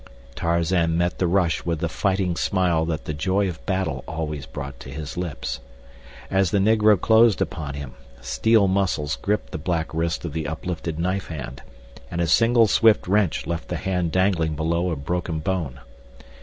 Tarzan met the rush with the fighting smile that the joy of battle always brought to his lips. As the Negro closed upon him, steel muscles gripped the black wrist of the uplifted knife hand, and a single swift wrench left the hand dangling below a broken bone.